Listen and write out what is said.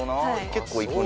結構行くね。